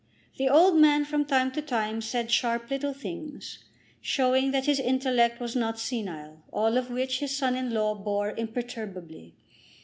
The old man from time to time said sharp little things, showing that his intellect was not senile, all of which his son in law bore imperturbably.